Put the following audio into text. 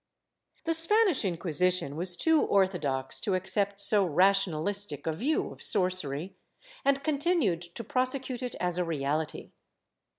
^ The Spanish Inquisition was too orthodox to accept so rational istic a view of sorcery, and continued to prosecute it as a reality.